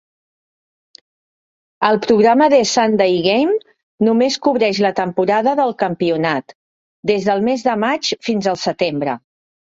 El programa 'The Sunday Game' només cobreix la temporada del campionat, des del mes de maig fins al setembre.